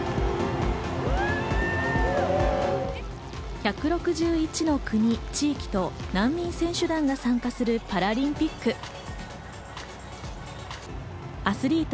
１６１の国、地域と難民選手団が参加するパラリンピック。